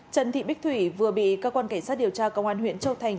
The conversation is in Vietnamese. trần thị bích thủy vừa bị cơ quan cảnh sát điều tra công an huyện châu thành